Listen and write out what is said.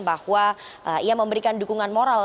bahwa ia memberikan dukungan moral